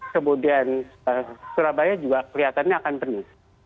kemudian surabaya juga kelihatannya akan penuh